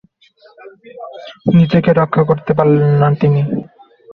নিজেকে রক্ষা করতে পারলেন না তিনি।